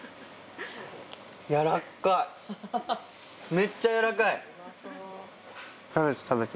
めっちゃやわらかい！